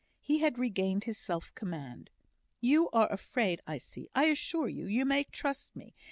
He had regained his self command. "You are afraid, I see. I assure you, you may trust me.